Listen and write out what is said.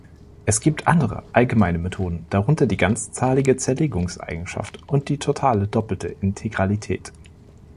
Es gibt andere allgemeine Methoden, darunter die ganzzahlige Zerlegungseigenschaft und die totale doppelte Integralität.